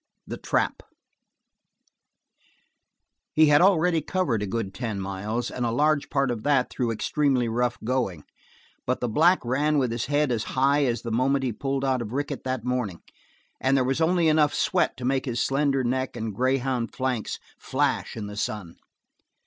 The Trap He had already covered a good ten miles, and a large part of that through extremely rough going, but the black ran with his head as high as the moment he pulled out of Rickett that morning, and there was only enough sweat to make his slender neck and greyhound flanks flash in the sun.